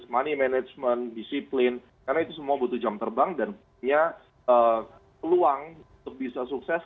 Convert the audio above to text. money management disiplin karena itu semua butuh jam terbang dan punya peluang untuk bisa sukses